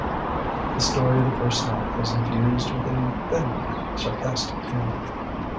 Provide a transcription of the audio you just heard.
The story of the first night was infused with a thinly sarcastic humour.